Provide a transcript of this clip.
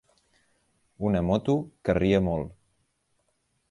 Una moto que arria molt.